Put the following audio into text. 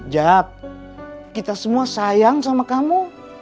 jab kita semua sayang sama kamu